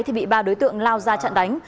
thì bị ba đối tượng lao ra chặn đánh